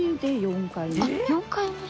４回目！